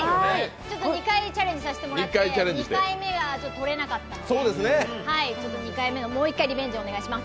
ちょっと２回チャレンジさせてもらって、２回目は取れなかったんでもう１回リベンジ、お願いします。